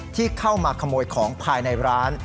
ที่เข้ามาขโมยของภายในร้าน